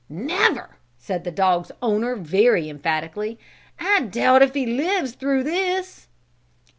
"Never!" said the dog's owner very emphatically. "I doubt if he lives through this."